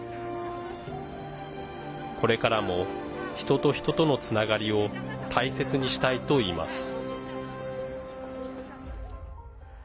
これからも人と人とのつながりを大切にしたいといいます。